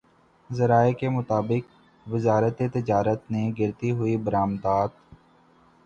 ذرائع کے مطابق وزارت تجارت نے گرتی ہوئی برآمدات